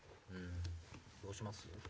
どうします？